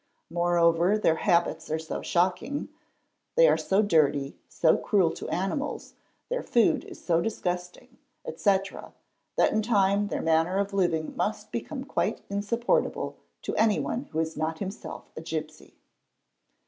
Moreover their habits are so shocking, they are so dirty, so cruel to animals, their food — is so disgusting, etc., that in time their manner of living must become — quite insupportable to anyone who is not himself a gipsy.